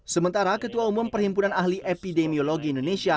sementara ketua umum perhimpunan ahli epidemiologi indonesia